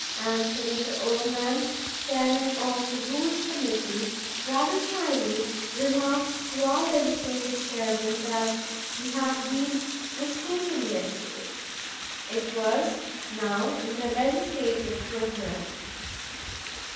And Senator Overman, Chairman of the Rules Committee, rather shyly remarked to our legislative chairman that he had been "mistaken yesterday." It was "now in the legislative program."